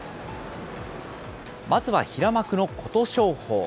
まずは平幕の琴勝峰。